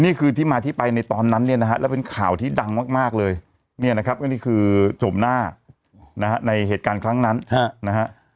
นี่คือที่มาที่ไปในตอนนั้นเนี่ยนะฮะแล้วเป็นข่าวที่ดังมากเลยเนี่ยนะครับก็นี่คือชมหน้านะฮะในเหตุการณ์ครั้งนั้นนะฮะ